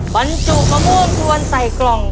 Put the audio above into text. บรรจุมะม่วงทวนใส่กล่อง